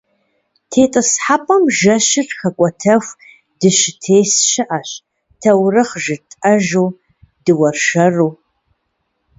ТетӀысхьэпӀэм жэщыр хэкӀуэтэху дыщытес щыӀэщ таурыхъ жытӏэжу, дыуэршэру.